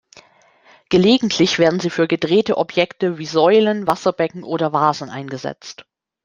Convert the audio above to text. Gelegentlich werden sie für gedrehte Objekte, wie Säulen, Wasserbecken oder Vasen eingesetzt.